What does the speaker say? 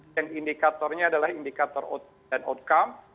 dan indikatornya adalah indikator dan outcome